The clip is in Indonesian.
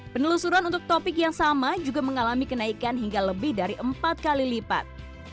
penelusuran untuk topik yang sama juga mengalami kenaikan hingga lebih dari empat kali lipat